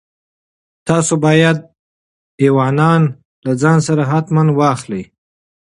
تاسو باید ایوانان له ځان سره حتماً واخلئ.